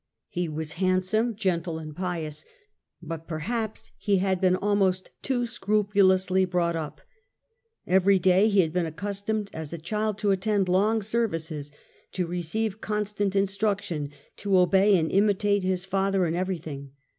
He was handsome, gentle and pious, but perhaps he had been almost too scrupulously brought up. Every day he had been accustomed as a child to attend long services, to receive constant instruction, to obey and imitate his father in everything.